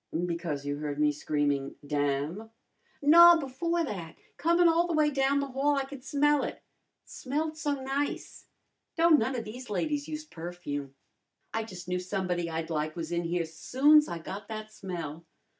"Because you heard me screaming 'damn'?" "No, before that. Comin' all the way down the hall I could smell it. Smelled so nice. Don't none of these ladies use perfume. I jus' knew somebody I'd like was in here soon's I got that smell."